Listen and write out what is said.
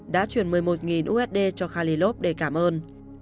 đã chuyển một mươi một usd cho khalilov để cảm ơn